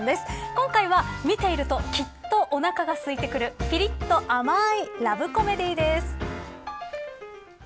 今回は見ているときっとおなかがすいてくるぴりっと甘いラブコメディーです。